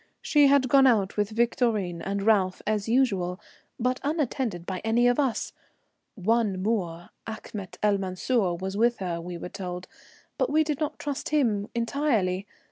She had gone out with Victorine and Ralph as usual, but unattended by any of us. One Moor, Achmet El Mansur, was with her, we were told, but we did not trust him entirely.